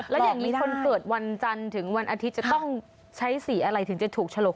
แล้วอย่างนี้คนเกิดวันจันทร์ถึงวันอาทิตย์จะต้องใช้สีอะไรถึงจะถูกฉลก